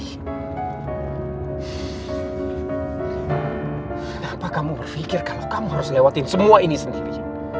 kenapa kamu berpikir kalau kamu harus lewatin semua ini sendiri